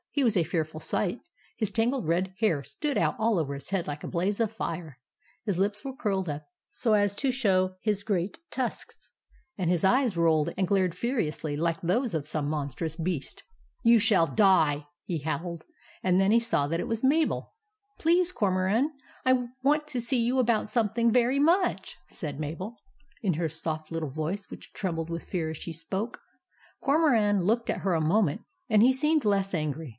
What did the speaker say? He was a fearful sight. His tangled red hair stood out all over his head like a blaze of fire; his lips were curled up so as to show his great tusks ; and his eyes rolled and glared furiously like those of some monstrous beast. " YOU SHALL DIE !" he howled — and then he saw that it was Mabel. " Please, Cormoran, I want to see you about something very much," said Mabel, THE RESCUE OF JACK 215 in her soft little voice, which trembled with fear as she spoke. Cormoran looked at her a moment, and he seemed less angry.